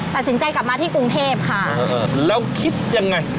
ตัดสินใจกลับมาที่กรุงเทพค่ะแล้วคิดยังไง